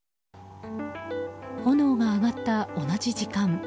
炎が上がった同じ時間。